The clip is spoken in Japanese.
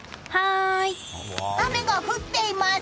雨が降っています！